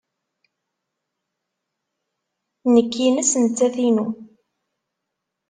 Nekk ines nettat inu.